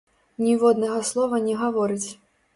Ніводнага слова не гаворыць.